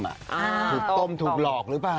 ถูกต้องถูกหลอกหรือเปล่า